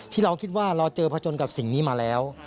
ที่เราคิดว่าเราเจอผจญกับสิ่งนี้มาแล้ว